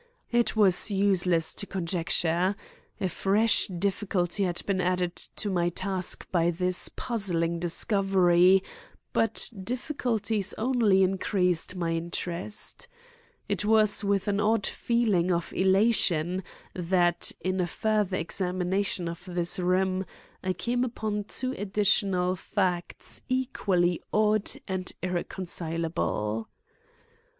It was useless to conjecture. A fresh difficulty had been added to my task by this puzzling discovery, but difficulties only increased my interest. It was with an odd feeling of elation that, in a further examination of this room, I came upon two additional facts equally odd and irreconcilable.